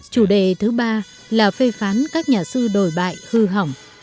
chủ đề thứ ba là phê phán các nhà sư đổi bại hư hỏng